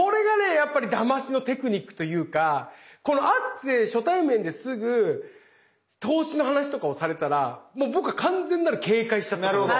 やっぱりだましのテクニックというか会って初対面ですぐ投資の話とかをされたらもう僕は完全なる警戒しちゃったと思うんですよ。